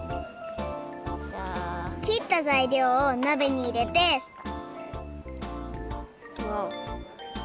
きったざいりょうをなべにいれてわおっ。